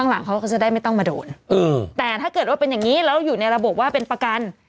แล้วอยู่ในระบบว่าเป็นประกัน